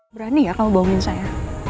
berani ya kamu bohongin saya